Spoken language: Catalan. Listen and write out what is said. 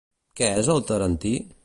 Què és el tarentí?